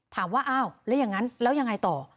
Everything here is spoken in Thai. ถามว่าอ้าวแล้วอย่างนั้นแล้วยังไงต่อ